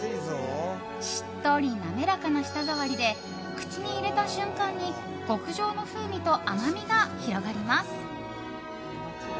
しっとり滑らかな舌触りで口に入れた瞬間に極上の風味と甘みが広がります。